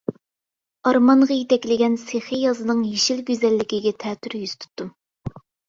ئارمانغا يېتەكلىگەن سېخىي يازنىڭ يېشىل گۈزەللىكىگە تەتۈر يۈز تۇتتۇم.